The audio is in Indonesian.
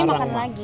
aku tadi makan lagi